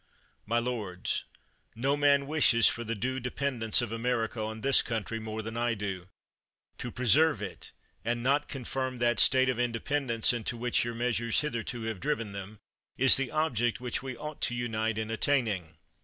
My lords, no man wishes for the due dependence of America on this country more than I do. To preserve it, and not confirm that state of independence into which your measures hitherto have driven them, is the object which 218 CHATHAM we ought to unite in attaining.